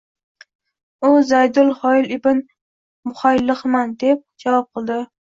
U: “Zaydul Xoyl ibn Muhayhilman”, deb javob qildi